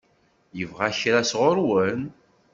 Yebɣa kra sɣur-wen?